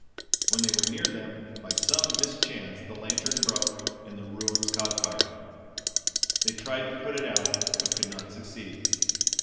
When they were near them, by some mischance the lantern broke, and the ruins caught fire. They tried to put it out, but could not succeed.